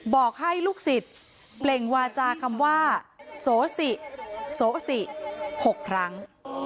บอกให้ลูกศิษย์เปล่งวาจาคำว่าโสสิโสสิ๖ครั้ง